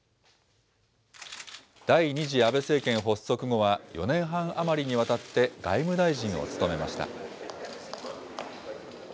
第２次安倍政権発足後は４年半余りにわたって、外務大臣を務めました。